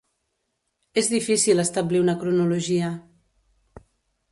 És difícil establir una cronologia.